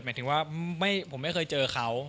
หมายถึงว่าผมไม่เคยเจอเขา